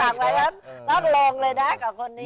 ฟังไว้แล้วลองเลยนะกับคนนี้